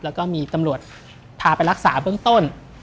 แล้วก็มีตำรวจพาไปรักษาเบื้องต้น